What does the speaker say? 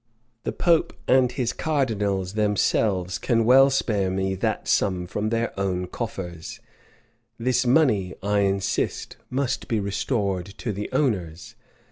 The pope and his cardinals themselves can well spare me that sum from their own coffers. This money, I insist, must be restored to the owners.